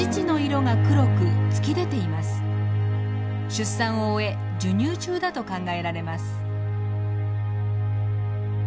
出産を終え授乳中だと考えられます。